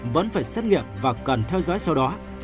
vẫn phải xét nghiệm và cần theo dõi sau đó